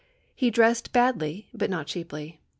He dressed badly, but not cheaply.